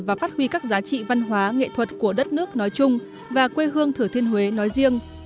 và phát huy các giá trị văn hóa nghệ thuật của đất nước nói chung và quê hương thừa thiên huế nói riêng